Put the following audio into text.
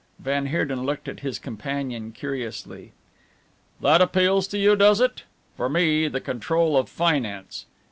Van Heerden looked at his companion curiously. "That appeals to you, does it? For me, the control of finance.